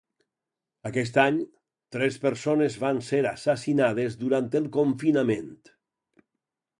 Aquest any, tres persones van ser assassinades durant el confinament.